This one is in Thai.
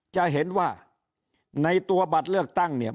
จะเห็นว่าในตัวบัตรเลือกตั้งเนี่ย